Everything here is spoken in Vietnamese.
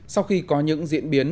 sau khi có những diễn biến